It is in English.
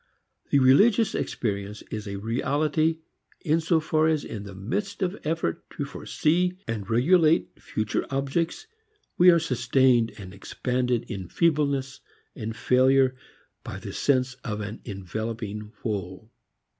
The religious experience is a reality in so far as in the midst of effort to foresee and regulate future objects we are sustained and expanded in feebleness and failure by the sense of an enveloping whole.